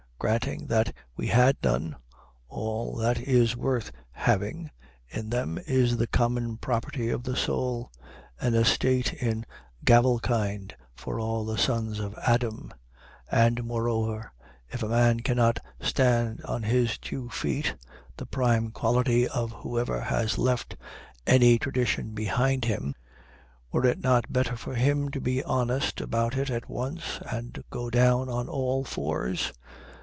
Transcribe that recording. Granting that we had none, all that is worth having in them is the common property of the soul, an estate in gavelkind for all the sons of Adam, and, moreover, if a man cannot stand on his two feet (the prime quality of whoever has left any tradition behind him), were it not better for him to be honest about it at once, and go down on all fours?